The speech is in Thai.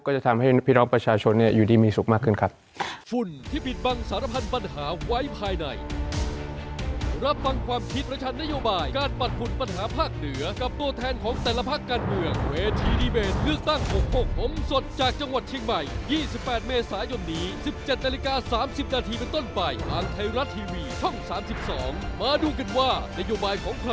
จะทำให้พี่น้องประชาชนอยู่ดีมีสุขมากขึ้นครับ